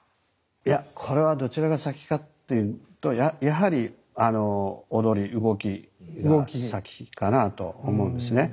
いやこれはどちらが先かっていうとやはり踊り動きが先かなあと思うんですね。